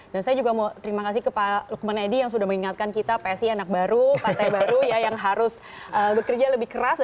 dan saya juga mau terima kasih ke pak lukman edi yang sudah mengingatkan kita psi anak baru pantai baru ya yang harus bekerja lebih keras